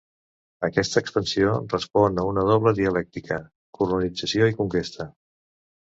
Aquesta expansió respon a una doble dialèctica: colonització i conquesta.